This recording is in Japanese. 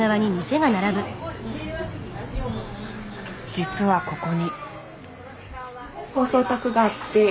実はここに。